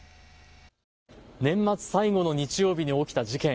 年末最後の日曜日に起きた事件。